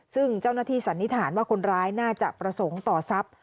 ซึ่งเจ้าหน้าที่สันนิษฐานว่าคนร้ายน่าจะประสงค์ต่อทรัพย์